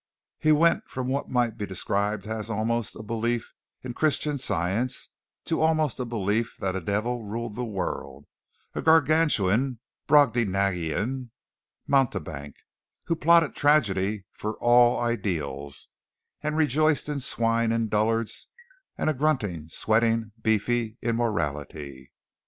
He went from what might be described as almost a belief in Christian Science to almost a belief that a devil ruled the world, a Gargantuan Brobdingnagian Mountebank, who plotted tragedy for all ideals and rejoiced in swine and dullards and a grunting, sweating, beefy immorality.